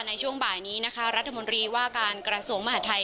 ในช่วงบ่ายนี้นะคะรัฐมนตรีว่าการกระทรวงมหาทัย